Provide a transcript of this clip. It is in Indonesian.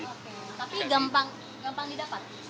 oke tapi gampang didapat